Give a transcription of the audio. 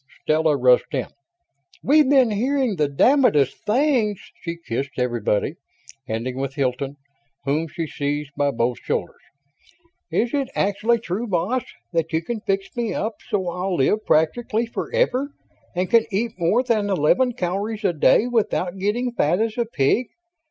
Stella rushed in. "We've been hearing the damnedest things!" She kissed everybody, ending with Hilton, whom she seized by both shoulders. "Is it actually true, boss, that you can fix me up so I'll live practically forever and can eat more than eleven calories a day without getting fat as a pig?